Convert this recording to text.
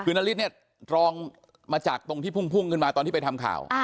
คือนาริสเนี่ยรองมาจากตรงที่พุ่งขึ้นมาตอนที่ไปทำข่าว